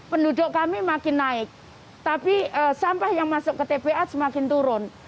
penduduk kami makin naik tapi sampah yang masuk ke tpa semakin turun